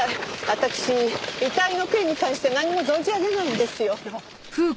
私遺体の件に関して何も存じ上げないんですよ。